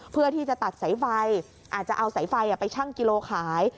เพื่อที่จะตัดสายไฟอาจจะเอาสายไฟไปชั่งกิโลขาย